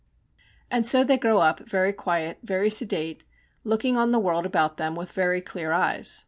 And so they grow up very quiet, very sedate, looking on the world about them with very clear eyes.